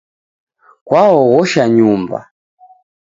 Kwaoghosha Nyumba.